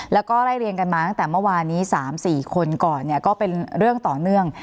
แล้วก็ไล่เรียงกันมาตั้งแต่เมื่อวานนี้๓๔คนก่อนเนี่ยก็เป็นเรื่องต่อเนื่อง